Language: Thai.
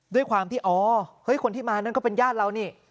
ด้วยความที่อ๋อเฮ้ยคนที่มานั่นก็เป็นญาติเรานี่